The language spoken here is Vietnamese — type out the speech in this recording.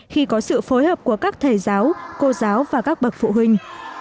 khi có sự phối hợp của các thầy giáo cô giáo và các bậc phụ huynh